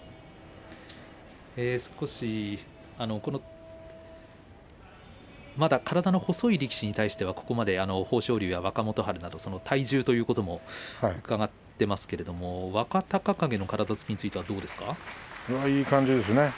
少しまだ体の細い力士に対してはここまで豊昇龍や若元春など体重ということも伺っていますけれども若隆景の体つきについてはどうですか？